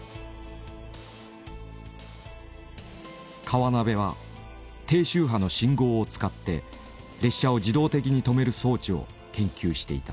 河辺は低周波の信号を使って列車を自動的に止める装置を研究していた。